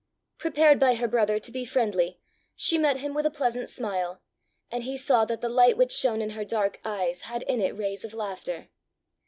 Prepared by her brother to be friendly, she met him with a pleasant smile, and he saw that the light which shone in her dark eyes had in it rays of laughter.